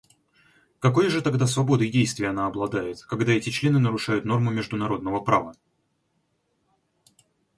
Какой же тогда свободой действий она обладает, когда эти члены нарушают нормы международного права?